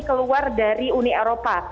keluar dari uni eropa